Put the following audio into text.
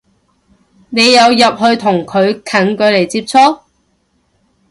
你有入去同佢近距離接觸？